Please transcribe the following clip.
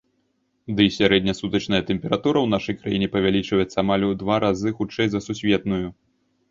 Дый сярэднясутачная тэмпература ў нашай краіне павялічваецца амаль у два разы хутчэй за сусветную.